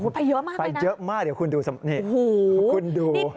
ไปเยอะมากเลยนะโอ้โหไปเยอะมากเดี๋ยวคุณดูสมมุตินี่คุณดู